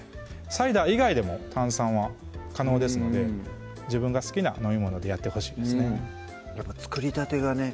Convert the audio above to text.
サイダー以外でも炭酸は可能ですので自分が好きな飲み物でやってほしいですねやっぱ作りたてがね